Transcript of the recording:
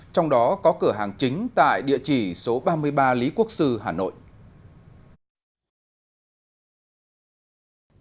trong đó có cửa hàng chính tại địa chỉ số ba mươi ba lý quốc sư hà nội